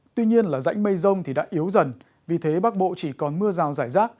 tuy nhiên là rãnh mây rông thì đã yếu dần vì thế bắc bộ chỉ còn mưa rào rải rác